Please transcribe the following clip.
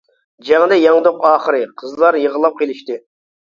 جەڭدە يەڭدۇق ئاخىرى، قىزلار يىغلاپ قېلىشتى.